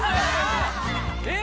えっ！